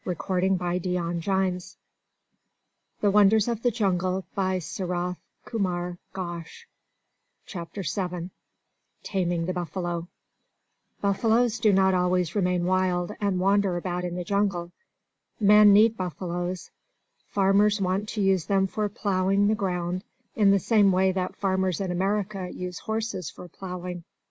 [Illustration: Tame Water Buffaloes Plowing in the Rice Fields] CHAPTER VII Taming the Buffalo Buffaloes do not always remain wild and wander about in the jungle. Men need buffaloes. Farmers want to use them for plowing the ground, in the same way that farmers in America use horses for plowing.